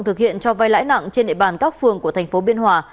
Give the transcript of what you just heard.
thực hiện cho vay lãi nặng trên địa bàn các phường của tp biên hòa